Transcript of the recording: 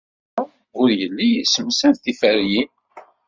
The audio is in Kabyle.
Yuba ur yelli yessemsad tiferyin.